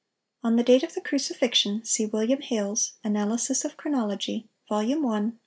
On the date of the crucifixion, see Wm. Hales, "Analysis of Chronology," Vol. I, pp.